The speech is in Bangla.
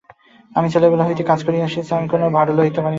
আমি ছেলেবেলা হইতে কাজ করিয়া আসিয়াছি, আমি কোনো ভার লইতে ভয় করি না।